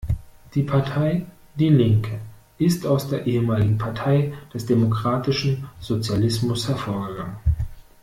Die Partei die Linke ist aus der ehemaligen Partei des Demokratischen Sozialismus hervorgegangen.